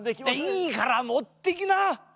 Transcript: いいからもってきな！